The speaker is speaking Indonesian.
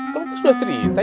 kalian sudah cerita ya